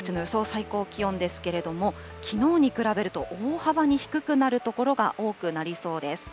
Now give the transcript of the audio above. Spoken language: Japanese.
最高気温ですけれども、きのうに比べると大幅に低くなる所が多くなりそうです。